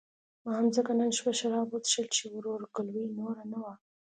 ما هم ځکه نن شپه شراب وڅښل چې ورورګلوي نوره نه وه.